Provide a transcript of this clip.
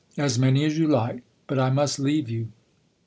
" As many as you like. But I must leave you."